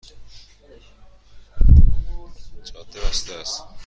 جاده بسته است